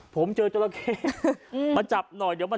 ผมเจอเจ้า